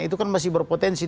itu kan masih berpotensi